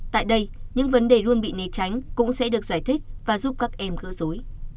tại đây những vấn đề luôn bị né tránh cũng sẽ được giải thích và giúp các em gỡ rối